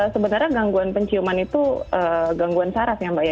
sebenarnya gangguan penciuman itu gangguan saraf ya mbak ya